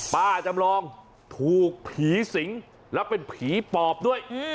ป้าจำลองถูกผีสิงแล้วเป็นผีปอบด้วย